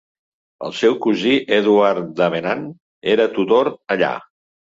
El seu cosí, Edward Davenant, era tutor allà.